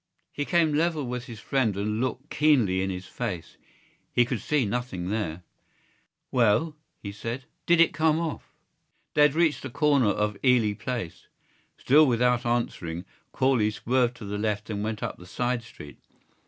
He came level with his friend and looked keenly in his face. He could see nothing there. "Well?" he said. "Did it come off?" They had reached the corner of Ely Place. Still without answering, Corley swerved to the left and went up the side street.